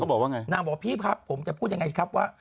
เขาบอกว่าไงนางบอกพี่ครับผมจะพูดอย่างไรครับว่า